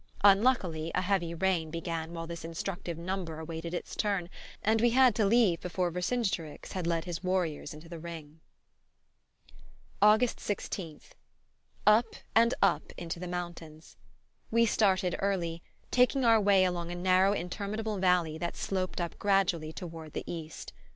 Unluckily a heavy rain began while this instructive "number" awaited its turn, and we had to leave before Vercingetorix had led his warriors into the ring... August 16th. Up and up into the mountains. We started early, taking our way along a narrow interminable valley that sloped up gradually toward the east.